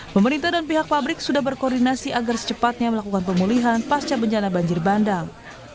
pemerintah dan pihak pabrik sudah berkoordinasi agar secepatnya melakukan pemulihan pasca bencana banjir bandang